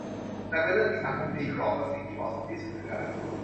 แต่เป็นเรื่องที่สังคมตีกรอบว่าสิ่งที่เหมาะสมที่สุดคืออะไร